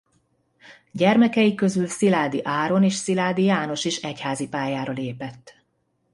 Gyermekei közül Szilády Áron és Szilády János is egyházi pályára lépett.